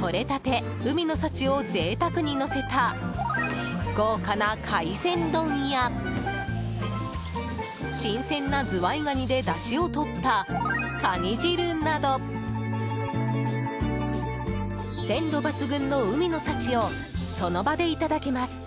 とれたて海の幸を贅沢にのせた豪華な海鮮丼や新鮮なズワイガニでだしをとったカニ汁など鮮度抜群の海の幸をその場でいただけます。